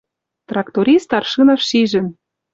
Тракторист Аршинов шижӹн: